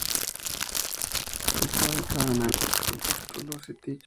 Está ubicado en Albi, campus Toulouse Tech.